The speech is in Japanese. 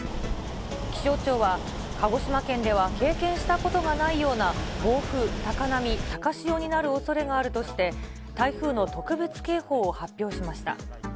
気象庁は、鹿児島県では経験したことがないような暴風、高波、高潮になるおそれがあるとして、台風の特別警報を発表しました。